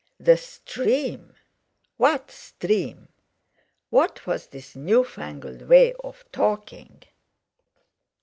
The stream! What stream? What was this new fangled way of talking?